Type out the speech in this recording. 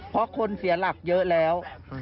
เพราะคนเสียหลักเยอะแล้ว